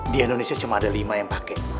di indonesia cuma ada lima yang pakai